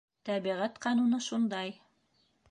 Тәбиғәт ҡануны шундай.